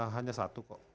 hanya satu kok